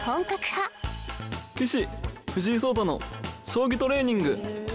「『棋士・藤井聡太の将棋トレーニング』」